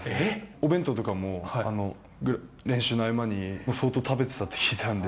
お弁当とかも練習の合間に、相当食べてたって聞いてたんで。